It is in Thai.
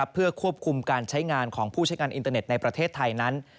เพื่อควบคุมการใช้งานของผู้ใช้งานอินเตอร์เน็ตในประเทศไทยนั้น